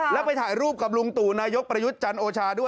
แล้วไปถ่ายรูปกับลุงตู่นายกประยุทธ์จันทร์โอชาด้วย